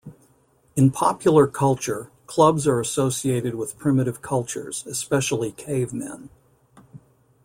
In popular culture, clubs are associated with primitive cultures, especially cavemen.